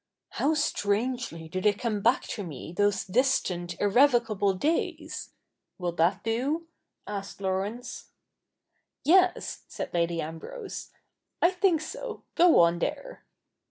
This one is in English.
'" Hoiu strangely do they cotne back to me, those distant irrevocable days I " Will that do ?' asked Laurence. 'Yes,' said Lady Ambrose, ' I think so — go on there.'